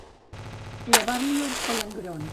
Llevar-li els palangrons.